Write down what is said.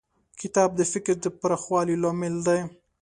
کتاب د فکر د پراخوالي لامل دی.